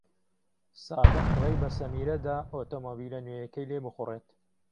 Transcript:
سادق ڕێی بە سەمیرە دا ئۆتۆمۆبیلە نوێیەکەی لێ بخوڕێت.